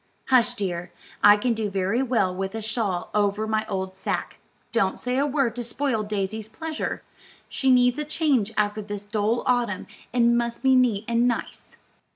"Hush, dear; I can do very well with a shawl over my old sack. Don't say a word to spoil Daisy's pleasure. She needs a change after this dull autumn, and must be neat and nice."